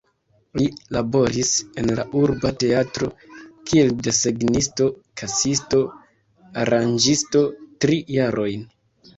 Li laboris en la urba teatro kiel desegnisto, kasisto, aranĝisto tri jarojn.